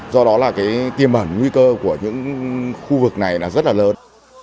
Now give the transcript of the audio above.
do đó là tiêm ẩn nguy cơ của những khu vực này rất là lớn